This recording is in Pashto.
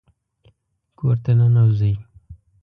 کور ته ننوځئ